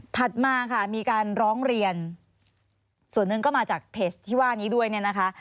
มาค่ะมีการร้องเรียนส่วนหนึ่งก็มาจากเพจที่ว่านี้ด้วยเนี่ยนะคะ